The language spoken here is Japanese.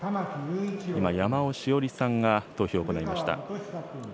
今、山尾志桜里さんが投票を行いました。